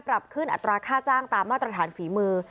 ปรับขึ้นอัตราค่าจ้างตามมาตรฐานฝีมือ